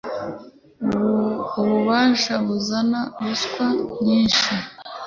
Ububasha buzana ruswa nyishyi .